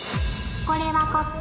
これはこっち。